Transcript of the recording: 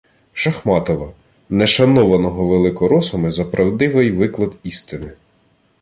Шахматова, не шанованого великоросами за правдивий виклад істини